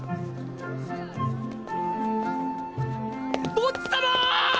ボッジ様！